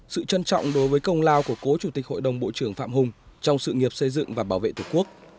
sự trân trọng đối với công lao của cố chủ tịch hội đồng bộ trưởng phạm hùng trong sự nghiệp xây dựng và bảo vệ tổ quốc